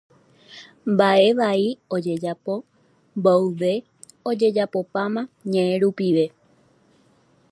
Mbaʼevai ojejapo mboyve ojejapopáma ñeʼẽ rupive.